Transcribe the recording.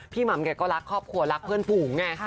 หม่ำแกก็รักครอบครัวรักเพื่อนฝูงไง